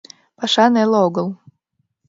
— Паша неле огыл.